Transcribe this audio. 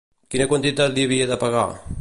Quina quantitat li havia de pagar?